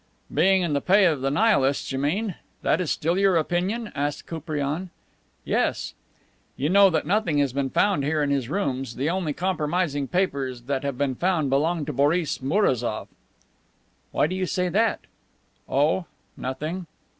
"Being in the pay of the Nihilists, you mean? That is still your opinion?" asked Koupriane. "Yes." "You know that nothing has been found here in his rooms. The only compromising papers that have been found belong to Boris Mourazoff." "Why do you say that?" "Oh nothing."